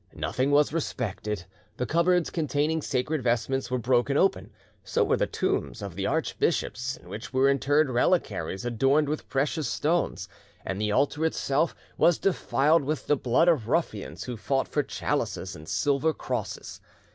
Nothing was respected. The cupboards containing sacred vestments were broken open, so were the tombs of the archbishops, in which were interred reliquaries adorned with precious stones; and the altar itself was defiled with the blood of ruffians who fought for chalices and silver crosses.